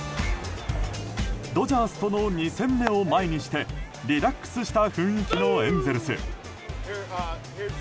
ドジャースとの２戦目を前にしてリラックスした雰囲気のエンゼルス。